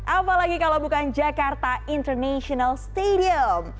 apalagi kalau bukan jakarta international stadium